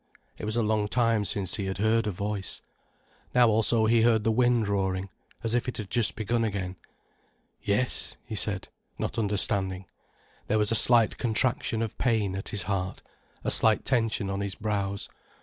It was a long time since he had heard a voice. Now also he heard the wind roaring, as if it had just begun again. "Yes," he said, not understanding. There was a slight contraction of pain at his heart, a slight tension on his brows.